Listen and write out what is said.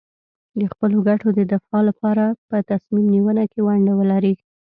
د خپلو ګټو د دفاع لپاره په تصمیم نیونه کې ونډه ولري.